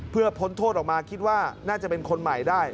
เพื่อพ้นโทษออกมาคิดว่าน่าจะเป็นคนใหม่ได้